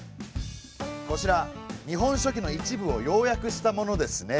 こちら「日本書紀」の一部を要約したものですね。